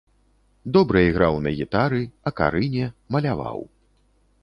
Добра іграў на гітары, акарыне, маляваў.